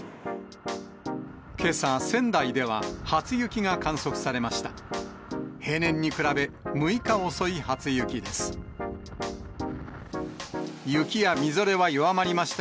けさ、仙台では初雪が観測されました。